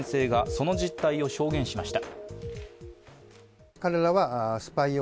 その実態を証言しました。